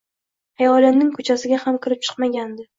Xayolimning ko’chasiga ham kirib chiqmagandi.